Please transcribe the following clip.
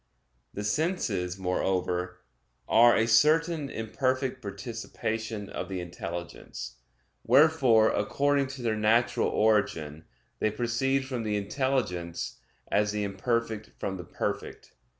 The senses, moreover, are a certain imperfect participation of the intelligence; wherefore, according to their natural origin, they proceed from the intelligence as the imperfect from the perfect.